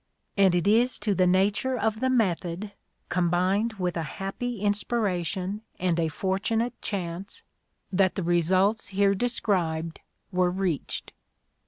And it is to the nature of the method, combined with a happy inspiration and a fortunate chance, that the results here described were reached.